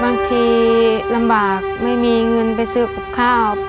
บางทีลำบากไม่มีเงินไปซื้อกับข้าว